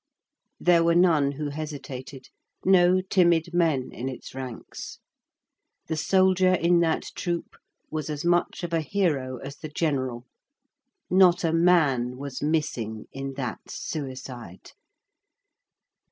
There were none who hesitated, no timid men in its ranks. The soldier in that troop was as much of a hero as the general. Not a man was missing in that suicide.